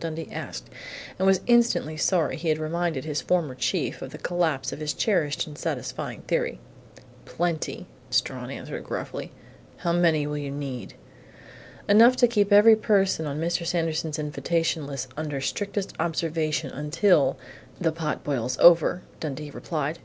Dundee asked, and was instantly sorry he had reminded his former chief of the collapse of his cherished and satisfying theory. "Plenty," Strawn answered gruffly. "How many will you need?" "Enough to keep every person on Mr. Sanderson's invitation list under strictest observation until the pot boils over," Dundee replied.